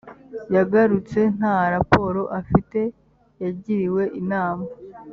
yagarutse nta raporo afite yagiriwe inama